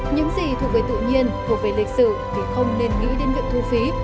những gì thuộc về tự nhiên thuộc về lịch sử vì không nên nghĩ đến việc thu phí